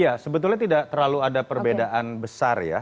ya sebetulnya tidak terlalu ada perbedaan besar ya